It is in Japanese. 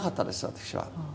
私は。